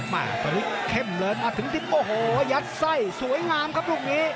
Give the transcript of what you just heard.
มาตอนนี้เข้มเลยมาถึงดิบโอ้โหยัดไส้สวยงามครับลูกนี้